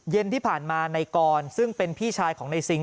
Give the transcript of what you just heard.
เย็นที่ผ่านมาในกรซึ่งเป็นพี่ชายของในซิง